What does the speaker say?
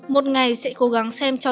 một ngày sẽ cố gắng xem cho